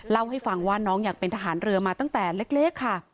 เล่าให้ฟังว่าน้องอยากเป็นทหารเรือมาตั้งแต่เล็กค่ะ